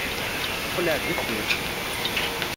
Qqel ar deffir!